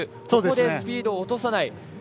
ここでスピードを落とさない。